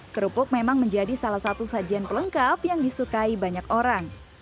kerupuk memang menjadi salah satu sajian pelengkap yang disukai banyak orang